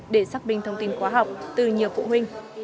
để xác minh thông tin khoa học từ nhiều phụ huynh